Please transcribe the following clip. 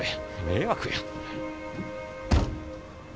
迷惑や。